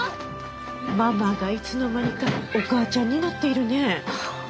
「ママ」がいつの間にか「お母ちゃん」になっているね。